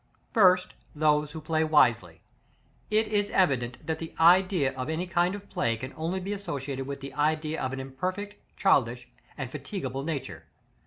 § XXVI. First: Those who play wisely. It is evident that the idea of any kind of play can only be associated with the idea of an imperfect, childish, and fatigable nature.